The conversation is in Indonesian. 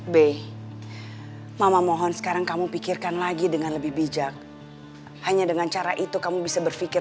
b mama mohon sekarang kamu pikirkan lagi dengan lebih bijak hanya dengan cara itu kamu bisa berpikir